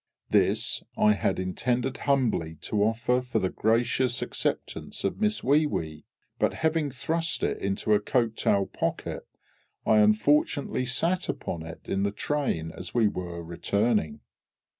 This I had intended humbly to offer for the gracious acceptance of Miss WEE WEE, but having thrust it into a coat tail pocket, I unfortunately sat upon it in the train as we were returning.